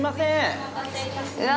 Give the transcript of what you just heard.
◆お待たせいたしました。